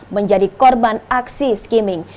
menjadi korban aksi skimming